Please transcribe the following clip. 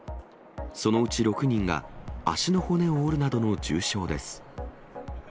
そのうち６人が足の骨を折るなどの重傷です。